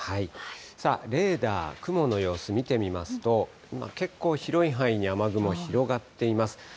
さあ、レーダー、雲の様子、見てみますと、今、結構広い範囲に雨雲広がっています。